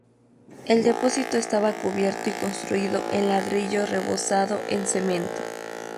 El depósito estaba cubierto y construido en ladrillo rebozado en cemento.